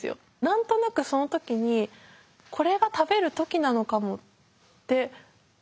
何となくその時にこれが食べる時なのかもって思えたんですよ。